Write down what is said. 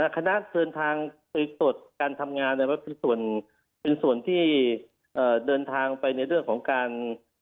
คณะเดินทางไปตรวจการทำงานเป็นส่วนที่เดินทางไปในเรื่องของการ